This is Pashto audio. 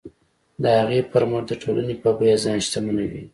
د هغې پر مټ د ټولنې په بیه ځان شتمنوي.